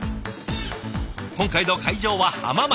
今回の会場は浜松。